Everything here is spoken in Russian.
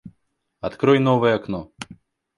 Открой новое окно